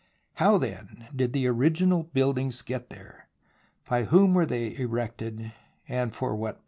How, then, did the original buildings get there ? By whom were they erected, and for what purpose